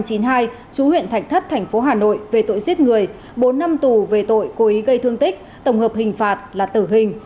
trú huyện thạch thất tp hà nội về tội giết người bốn năm tù về tội cố ý gây thương tích tổng hợp hình phạt là tử hình